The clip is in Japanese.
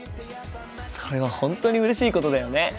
それは本当にうれしいことだよね。